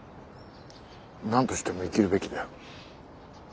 何としても生きるべきだよ。